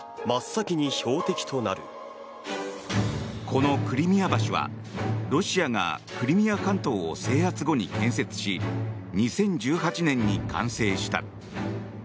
このクリミア橋はロシアがクリミア半島を制圧後に建設し２０１８年に完成した。